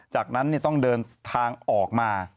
จากนั้นต้องเดินทางออกมา